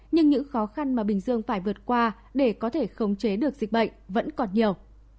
nhưng những khó khăn mà bình dương phải vượt qua để có thể khống chế được dịch bệnh vẫn còn nhiều